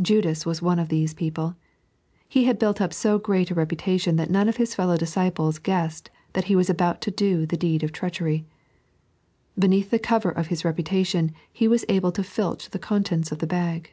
Judas was one of these people ; he had built up so great a reputation that none of his fellow disciples guessed that he was about to do the deed of treachery. Beneath the cover of his reputation he was able to filch the contents of the bag.